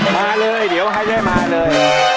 มาเลยเดี๋ยวให้ได้มาเลย